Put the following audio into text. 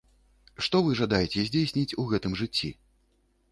Што вы жадаеце здзейсніць у гэтым жыцці?